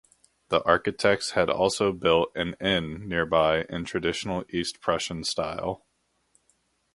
The architects had also built an inn nearby in traditional East Prussian style.